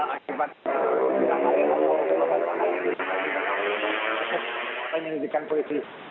akibat penyelidikan polisi